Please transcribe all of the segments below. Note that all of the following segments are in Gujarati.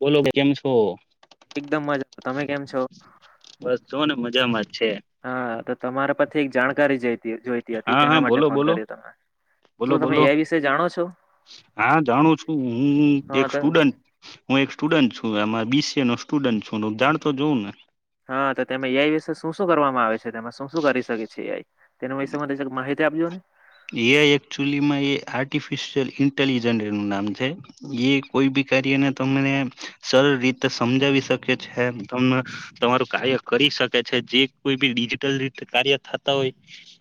બોલો કે કેમ છો. તો તમે કેમ છો. બસ જો ને મજામાં જ છે. ઠીક જાણકારી જય હા હા બોલો બોલો બોલો શું તમે બોલો એ વિશે જાણો છો હા જાણું છું હું હા એક તો સ્ટુડન્ટ હું એક સ્ટુડન્ટ છું એમાં બી સી એ નો સ્ટુડન્ટ છું હ હુ જાણતો હોઉં ને. હા તો તેમા એ ઈ વિશે શું શું કરવામાં આવે છે? છે તેમા શું શું કરી શકે છે એ ઈ તેના વિષે મને માહિત તે આપજો ને? એ આઈ એકચુલીમાં એ આર્ટિફિશયલ ઇન્ટેલિજન્ટ એનું નામ છે. એ કોઈ બી કાર્યને તમને સરળ રીતે સમજાવી શકે છે અમે તમને તમારું કાર્ય કરી શકે છે જે કોઈ બી ડિજિટલ રીતે કાર્ય થતા હોય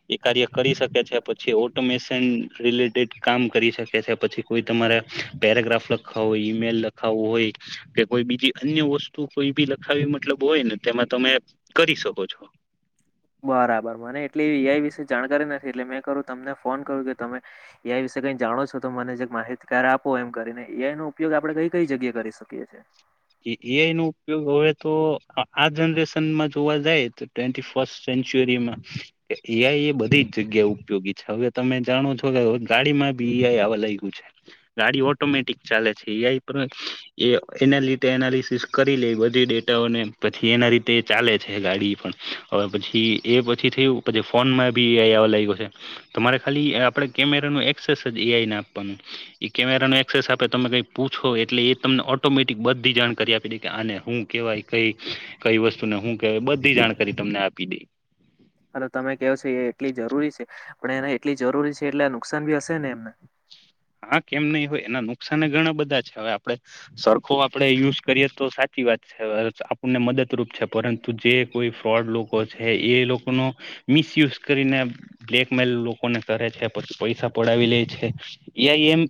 એ કાર્ય કરી શકે છે. પછી ઓટોમેશન રિલેટેડ કામ કરી શકે છે. પછી કોઈ તમારે પેરાગ્રાફ લખવા હોય. ઈમેલ લખાવો હોય કે કોઈ બીજી અન્ય વસ્તુ કોઈ બી લખાવી મતલબ હોય ને તેમાં તમે કરી શકો છો બરાબર મને એટલી એ આઈ વિશે જાણકારી ન એટલે મેં કરું તમને ફોન કરું કે તમે, એ આઈ વિશે કઈ જાણો છો તો મને જે માહિતી આપો એમ કરીને એ આઈ નો ઉપયોગ આપડણે કઈ કઈ જગ્યાએ કરી શકીએ છીએ? એ એઆઈ નો ઉપયોગ હવે તો આ જોવા જાય તોવે સેન્ચુરીમાં, એ આઈ એ બધી જ જગ્યા ઉપયોગી છે હવે તમે જાણો છો કે ગાડીમાં બી એ આઈ આવા લાગયું છે, ગાડી ઓટોમેટિક ચાલે છે, એ આઈ એનાલિસિસ કરી લે બધી ડેટાઓને પછી એના રીતે ચાલે છે ગાડી પણ. હવે પછી એ પછી થયું પછી ફોનમાં બી એ આઈ આવવા લાગયો છે, તમારે ખાલી આપણે કેમેરાનું એક્સેસ જ એ આઈને આપવાનું એ કેમેરાનું એક્સેસ આપે તમે કંઈ પૂછો એટલે એ તમને ઓટોમેટિક બધ બી જાણકારી આપી દે કે આને હું કેવાય કઈ, કઈ વસ્તુને હું કેવાય બધી જાણકારી તમને આપી દઈ. અને તમે કહો એટલી જરૂરી છે, પણ એને એટલી જરૂરી છે એટલે નુકસાન ભી હશે છે ને એમના? હા કેમ નહી હોય એના નુકસાનને ઘણા બધા છે હવે આપડે, સરખો આપડે યુઝ કરીએ તો સાચી વાત. આપણને મદદરૂપ છે. પરંતુ જે કોઈ ફ્રોડ લોકો છે એ લોકોનો મિસયુઝ કરીને બ્લેકમેલ લોકોને કરે છે પછી પૈસા પડાવી લે. છે. એ આઈ એમ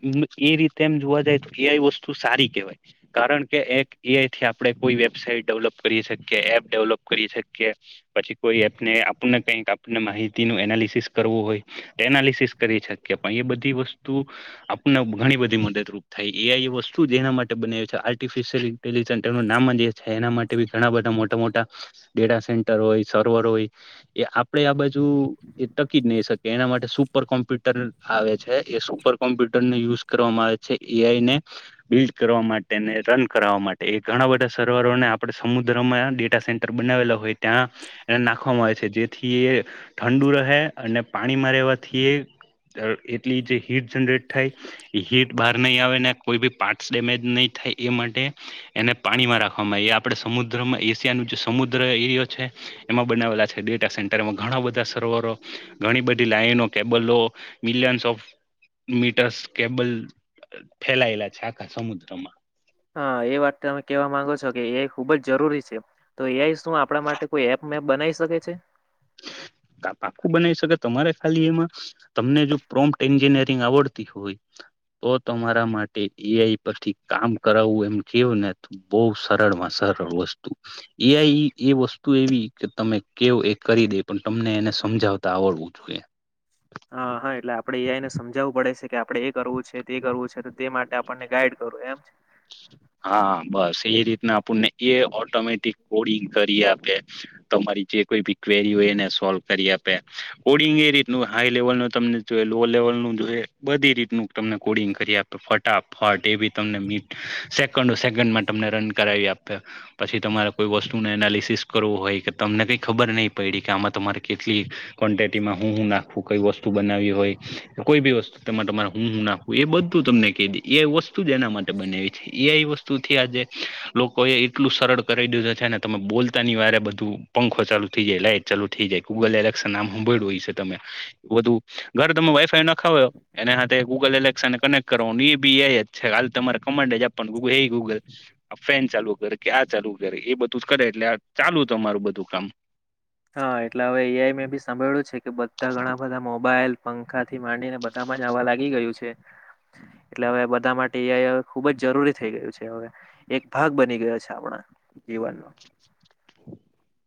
એ રીતે એમ જોવા જાય તો એ વસ્તુ સારી કેવાય, કારણ કે એક એ આઈ થી આપડણે કોઈ વેબસાઇટ ડેવલપ કરી શકીએ એપ ડેવલપ કરી શકીએ, પછી કોઈ એપ ને આપણને કઈક આપને માહિતી તેનું એનાલિસિસ કરવું હોય. એનાલિસિસ કરી શકીએ પણ એ બધું આપને ઘણી બધી મદદરૂપ થાય એ વસ્તુ જેના માટે બના છે, આર્ટિફિશયલ ઇન્ટેલજન્ટ એ નામ જે છે એના માટે બી ઘણા બધા મોટા મોટા કેડા સેન્ટર હોય સર્વર હોય. એ આપડે આ બાજુ એ ટકી જ નહી શકી એના માટે સુપર કોમ્પ્યુટર આવે. સુપર કોમ્પ્યુટરને યુઝ કરવામાં આવે છે એ આઈ ને બિલ્ડ કરવા માટેને રન કરાવવા માટે એ ઘણા બધા સર્વરોને આપણે સમુદ્રમાં ડેટા સેન્ટર બનાવેલા હોય ત્યાં એને નાખવામાં આવે છે, જેથી એ ઠંડુ રહે, અને પાણીમાં રહેવાથી એ જે હીટ જનરેટ થાય, એ હીટ બહાર નહી આવે ને કોઈ બી પાર્ટ ડેમેજ નહી થાય એ માટે એને પાણીમાં રાખવામાં આવે, એ આપણેે સમુદ્રમાં એશિયાનું જે સમુદ્ર એરિયો છે. એમાં બનાવેલા છે ડેટા સેન્ટર એમાં ઘણા બધા સર્વરો, ઘણી બધી લાઈનો, કેબલો મિલિયન્ ઓફ મીટર્સ કેબલ. ફેલાયેલા છે આખા સમુદ્રમાં. હા એ વાત તમે કેવા માંગો છો કે એઆ ખુબ જરૂરી છે, તો એ આઇ શું આપણા માટે કોઈ એપ મેપ બનાવી શકે છે? પાખું બનાવી શકે તમારે ખાલી એમાં તમને જો પ્રોમ્પ્ટ એન્જિનિયરિંગ આવડતી હોય, તો તમારા માટે એ આઈ પરથી કામ કરાવવું એમ કેવું ને બહ સરળ માં સરળ વસ્તુ, એ આઈ એ વસ્તુ એવી કે તમે કેવ એક કરી દે પણ તમને એને સમજાવતા આવડવું જોઈએ. હા હા એટલે આપડે એ આઈ સમજાવવું પડે છે કે આપડે એ કરવું છે તે કરવું છે તો તે માટે આપણને ગાઈડ કરવું એમ? હા બસ એ રીતના આપણને એ ઓટોમેટિક કોડિંગ કરી આપે, તમારી જે કોઈ બી ક્વેરી હોય એને સોલ્વ કરી આપે, કોડિંગ એ રીતનું હાઈ લેવલ નું તમને જો લો લેવલ નું જોઈ બધી રીતનું તમને કોડિંગ કરી આપે ફટાફટ એ બી તમને સેકન્ડ સેકન્ડમાં તમને રન કરાવી આપે, પછી તમારે કોઈ વસ્તુ ન એનાલિસિસ કરવું હોય કે તમને કઈ ખબર નહીં પડી કે આમાં તમારે કેટલી, ક્વન્ટિટીમાં હું શું નાખવું કઈ વસ્તુ બનાવી હોય. કોઈ બી વસ્તુ તમારે હું નાખું એ બધું તમને કહી દ એ વસ્તુ જ એના માટે બવી એ વસ્તુ થી આજે લોકો એ આઈ એટલું સરળ કરી દીધું છે, તમે બોલતાની વારે બધું પંખો ચાલુ થઈ જાય લાઈટ ચાલુ થઈ જાય ગૂગલ એલેક્શન આમભ્યું હોય છે તમે બધું ગર ખાવ એના ગૂગલ એલેક્શનને કનેક્ટ કરવાનું, એ બી એ આઈ જ છે હાલ તમારે જ આપવાનું ગૂગલ એ ગૂગલ આ ફેન ચાલુ કરે કે આ ચાલુ કરે એ બધું જ કરે એટલે આ ચાલુ તમારું બધું કામ હા એટલે હવે એઆઈ મેં ભી સભ્યળું છે કે બધા ઘણા બધા મોબલ મોબાઈલ પંખાથી માંડીને બધામાં જ આવવા લાગી ગયું છે એટલે હવે બધા માટે ખુબ જ જરૂરી થઈ ગયું છે હ એક ભાગ બની ગયો છે આપણા જીવનનો [inaudible]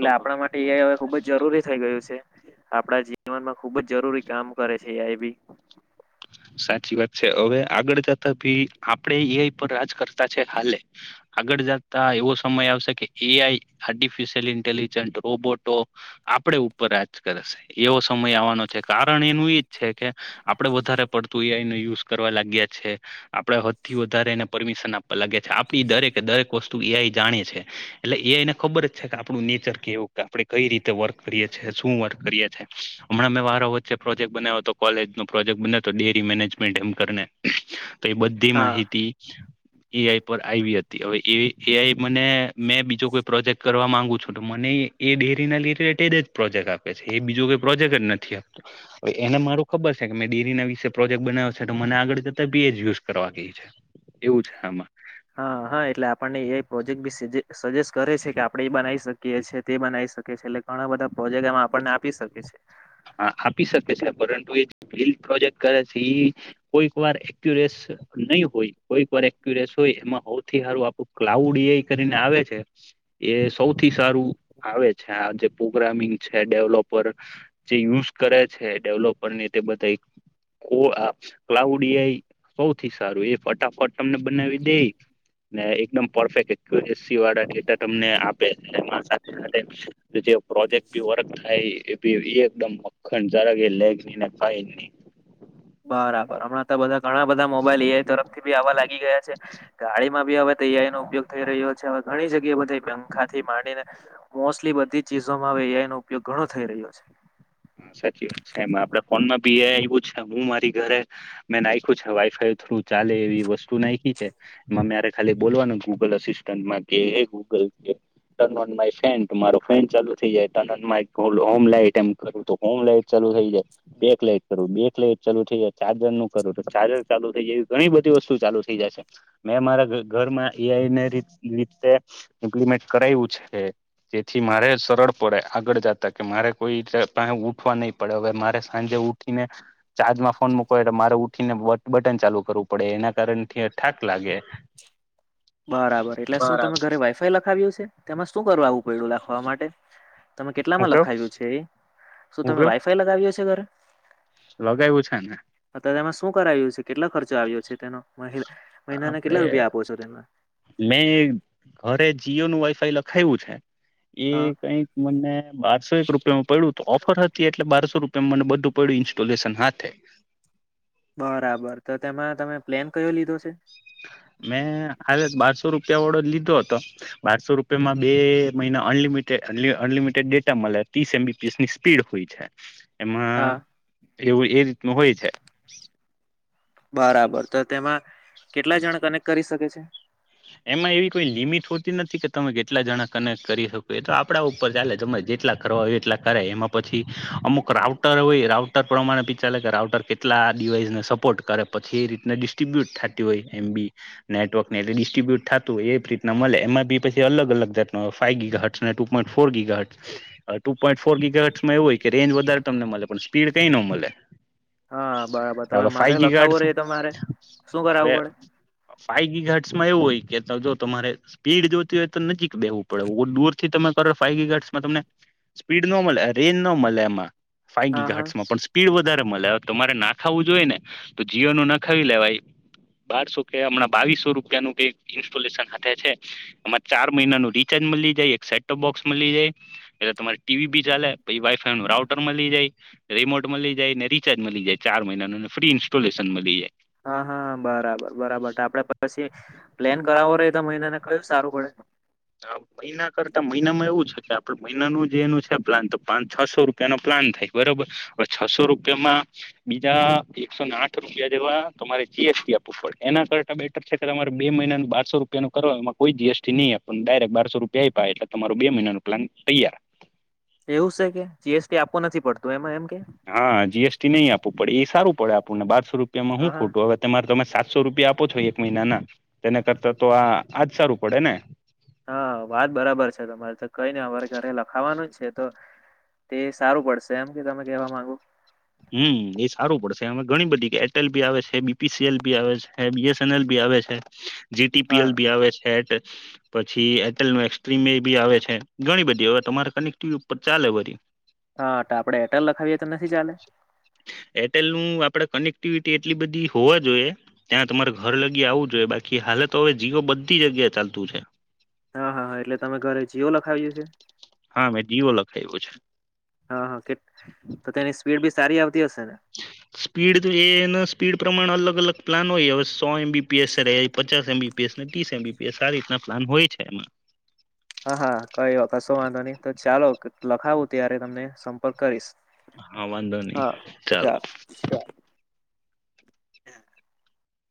તો આપણા માટે એ હવે ખુબ જ જરૂરી થઈ ગયું છે આપડા જીવનમાં ખુબ જ જરૂરી કામ કરે છે એ આઈ બી સાચી વાત છે હવે આગળ જતા ભી આપણેે એઆઈ પર રાજ કરતા છે હાલે આગળ જતા એવો સમય આવશે કે એઆઈ આર્ટિફિશિયલ ઇન્ટેલિજન્ટ રોબોટો આપડે ઉપર રાજ કરે છે એવો સમય આવવાનો છે કારણ એનું એજ છે કે આપડણે વધારે પડતું એઆઈ નને યુઝ કરવા લાગ્યા છે આપણે હદ થી વધારે એને પરમિશન આપવા લાગ્યા છે આપણી દરેકે દરેક વસ્તુ એઆઈ જાણે છે એટલે એઆઈને ખબર જ છે કે આપણું નેચર કેવુ આપડે કઈ રીતે વર્ક કરીએ છીએ શું વર્ક કરીએ છીએ હમણાં વારો વચ્ચે પ્રોજેક્ટ બનાવ્યો હતો કોલેજ પ્રોજેક્ટ ડેરી મેનેજમેન્ટ એમ કરને તો એ બધી હા માહિતી એઆઈ પર આવી હતી હવે મને મેં બીજો કોઈ પ્રોજેક્ટ કરવા માંગુ છું તો મને એ ડેરી ના રિલેટેડ જ પ્રોજેક્ટ આપે છે એ બીજું કોઈ પ્રોજેક્ટ જ નથી આપતો હવે એને મારું ખબર છે મેં ડેરી ના વિશે પ્રોજેક્ટ બનાવ્યો છે તો મને આગળ જતા બેજ યુઝ કરવા ગઈ છે એવું છે આમાં હા હા એટલે આપણને એઆઈ પ્રોજેક્ટ બી સજેસ્ટ કરે છે કે આપણે એ બનાવી શકીએ છીએ તે બનાવી શકીએ છીએ એટલે ઘણા બધા પ્રોજેક્ટ એમાં આપણને આપી શકેસે હા આપી શકે છે પરંતુ એ બ પ્રોજેક્ટ કરે છે એ કોઈક વાર એક્યુરેસ નહી હોય કોઈક વાર એક્યુરેસ હોય એમાં સૌથી સારું આપ ક્લાઉડ એ કરીને આવે છે એ સૌથી સારું આવે છે આ જે પ્રોગ્રામિંગ છે ડેવલોપર જે યુઝ કરે છે ડેવલોપર ની તે બધા ક્લાઉડય સૌથી સારું એ ફટાફટ તમને બનાવી દે ને એકદમ પરફેક્ટ એક્યુરેસી વાળા ડેટા તમને આપે સાથે જે પ્રોજેક્ટી ભી વર્ક થાય [inaudible] [unintelligible] બરાબર હમણાં તો બધા ઘણા બધા મોબાઈલ એ તરફથી બી આવા લાગી ગયા છે ગાડીમાં બી હવે તે આઈ નો ઉપયોગ થઈ રહ્યો છે ઘણી જગ્યાએ બધી પંખાથી માંડીને મોસ્ટલી બધી ચીજોમાં હવે એ આઈ નો ઉપયોગ ઘણો થઈ રહ્યો છે. હા સાચી વાત છે એમાં આપડે ફોનમાં બી એ આઈ ઓછા હું મારી ઘરે મેં નાખ્યું છે વાઈફાઈ થ્રુ ચાલે એવી વસ્તુ નાયખી છે એમાં મેરે ખાલી બોલવાનું ગૂગલ અસિસ્ટમાં કે એ Google turn on my fan મારો ફેન ચાલુ થઈ જાય turn off my home light એમ કરું તો હોમ લાઈટ ચાલુ થઈ જાય બેક લાઈટ કરું બેક લાઈટ ચાલુ થઈ જાય ચાર્જર નું કરવું તો ચાર્જર ચાલુ થઈ જાય એવી ઘણી બધી વસ્તુ ચાલુ થઈ જાય છે મેં મારા ઘરમાં એ આઈને રીત રીતે - ઇમ્પ્લિમેન્ટ કરાયવું છે જેથી મારે સરળ પડે આગળ જાતા કે મારે કોઈ જા પા ઉ પણ નહી પડે હવે મારે સાજે ઉઠી ને ચાર્જ માં ફોન મુકવા હોય તો મારે ઉઠી ને બટન ચાલુ કરવું પડે એના કારણ કે ઠાક લાગે બરાબર એટલે શું તમે હું ઘરે વાઈફાઈ લખાવ્યું છે તેમાં શું કરવા આવું પયડું લખવા માટે [inaudible] તમે કેટલામાં કેવ લખાવ્યું છે એ શું તમે વાઈફાઈ લગાવ્યોછે જગર લગાયવું છે ને હુ કરાયું છે કેટલા ખર્ચો આવ્યો છે તેનો મહિનાને કેટલા આપડે રૂપિયા આપો છો તેમના મેં ઘરે જીઓ નું વાઈફાઈ લખાયવું છે. એ હા કઈક મને બારસો એક રૂપિયામાં પડ્યું. ઓફર હતી એટલે બારસો રૂપિયામાં મને બધું પડ્યું ઇન્સ્ટોલેશન હાથે. બરાબર તો તેમાં તમે પ્લેન કયો લીધો છે? મેં બારસો રૂપ રૂપિયાવાળો લીધો હતો, બારસો રૂપિયામાં બે મહિના અનલિમટેડ અનલિમિટેડ ડેટા મળે ત્રીસ એમ બી પી એસ ની સ્પીડ હોય છે. એમાં હા એવું એજ હોય છે. બરાબર તો તેમાં, કેટલા જણા કનેક્ટ કરી શકે છે? એમાં એવી કોઈ લિમિટ હોતી નથી કે તમે કેટલા જણા કનેક્ટ કરી શકો એ તો આપડા ઉપર ચાલે તમેં જેટલા કરવા હોય એટલા કરે એમાં પછી અમુક રાઉટર હોય રાઉટર પ્રમાણે પી ચાલે કે રાઉટર કેટલા ડડીવાઈસને સપોર્ટ કરે પછી એ રીતને ડિસ્ટ્રીબ્યુટ થતી હોય એમ બી, નેટવર્કને ટી્બયુટ થાતું એવી રીતના મળે એમાં બી પછી અલગ અલગ જાત ફાઈવ ગીગા હટસ અને ટુ પોઈન્ટ ફોર ગીગા હટ. ટુ પોઇન્ટ ગીગા હર્ટસ માં એવું હોય કે રેન્જ વધારે તમને મળે, પણ સ્પીડ કઈ ન મળે હા બરાબર હવે ફાઈ મારે લખાવવું ગીગાર્ડ્સ રે તમારે શું હવે કરાવવું પડે? ફાઈ ગીગાર્ડ્સ એમાં એવું હોય કે જો તમારે સ્પીડ જોતી હોય તો નજીક બેવું પડે દૂર થી તમે કરો ફાઈ ગીગાર્ડ્સ માં તમને સ્પીડ ન મળે, રેન ન મળે એમાં. ફાઈ હા હા ગીગાર્ડ્સમાં પણ સ્પીડ વધારે મળે તમારે ના ખાવું જોઈ ને, તો જીઓ નું નખાવી લેવાય બારસો કે હમણાં બાવીસો રૂપ રૂપિયા ન ક ઇન્સ્ટોલેશન હાથે છે. ચાર મહિના ન રીચાર્જ મળી જાય એક સેટ ટોપ બોક્સ મળી જાય, એટલે તમારી ટીવી બી ચાલે પછી વાઈફાઈ નું રાઉટર મળી જાય, રિમોટ મળી જાય ને રિચાર્જ મળી જાય ચાર મહિનાનુંને ફ્રી ઇન્સ્ટોલેશન મળી જાય. હા હા બરાબર બરાબર તો આપડે પછી. પ્લેન કરાવો રતા મહિનાને કયું સારું પડે? હ મહિના કરતા મહિનામાં એવું છે. આપે મહિનાનું જેનું છે પ્લાન તો પાં છસો રૂપિયા ન પ્લાન થાય બરોબર, હવે છસો રૂપિયામાં બીજા એકસો ને આઠ રૂપિયા જેવા તમારે જી એસ ટી આપવું પડે, એના કરતા બેટર છે કે તમારે બે મહિનાનું બારસો રૂપિયા નું કરો એમાં કોઈ જીએસટી નહીં આપ પણ ડાયરેક્ટ બારસો રૂપિયા આવીપાય એટલે તમારું બે મહિના ન પ્લાન તૈયાર. એવું છે કે જી એસ ટી આપવો નથી પડતો. હા જી એસ ટી નહી આપવું પડે એ સારું પડે આપણને બારસો રૂપિયામાં હું હા હા ખોટું હવે તમારે તમે સાતસો રૂપિયા આપો છો એક મહિનાના, તેના કરતા તો આ આજ સારું પડે ને. હા વાત બરાબર છે તમારે તો કઈ નઈ અમારે ઘરે લખાવાનું છે તો તે સારું પડશે એમ કે તમે કેવા માંગો હમ, એ સારું પડશે એમાં ઘણી બધી એરટેલ ભી આવે છે બીપીસીએલ ભી આવે છે બીએસ એન એલ ભી આવે છે હા જીટીપીએલ બી આવે છેઠ પછી એટેલ ન ત્રિમેદી બી આવે છે ઘણી બધી એવા તમારા કનેક્ટિવ ઉપર ચાલે ભરી હા, આપડે એરટેલ લખાવીએ તો નથી ચાલે? એરટેલ નું આપડે કનેક્ટ એક્ટિવિટી એટલી બધી હોવા જોઈએ, ત્યાં તમારે ઘર લગી આવવું જોઈએ બાકી હાલ તો હવે જીવ બધી જગ્યા ચાલતું છે હા, હા, હા, એટલે તમે ઘરે જીઓ લખાવીલે છે હા, મેં જીવો લખાવ્યો છે હા, હા, તો તેની સ્પીડ ભી સારી આવતી હશે ને સ્પીડ તો એ ના સ્પીડ પ્રમાણ અલગ અલગ પ્લાન હોયહવે સો એમબીપીએસ, પચાસ એમબીપીએસ ને ત્રીસ એમબીપીએસ આ રીતના પ્લાન હોય છે એમાં હા, હા, કઈ વ કશો વાંધો નહી તો ચાલો લખાવું ત્યારે તમને સંપર્ક કરીશ હા, વાંધો નહી હા ચાલો ચાલ [inaudible]